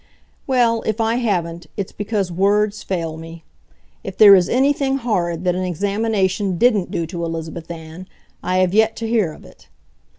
Well, if I haven't, it's because words fail me. If there is anything horrid that an examination DIDn't do to Elizabeth Ann, I have yet to hear of it.